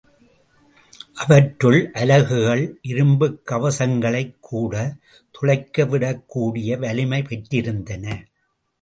அவற்றின் அலகுகள் இருப்புக் கவசங்களைக் கூடத் துளைத்துவிடக் கூடிய வலிமை பெற்றிருந்தன.